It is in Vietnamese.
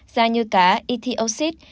da như cá etiocit